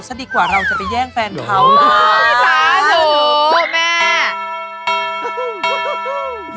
ซะดีกว่าเราจะไปแย่งแฟนเขาค่ะโอ้โฮสาธุสาธุแม่